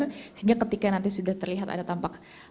sehingga ketika nanti sudah terlihat ada tampak